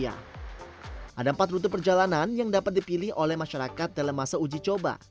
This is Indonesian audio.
ada empat rute perjalanan yang dapat dipilih oleh masyarakat dalam masa uji coba